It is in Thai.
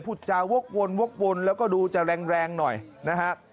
พูดจาวกวนวกวนแล้วก็ดูจะแรงหน่อยนะฮะ